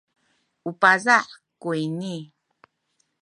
u paza’ kuyni.